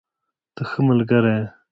ته ښه ملګری یې.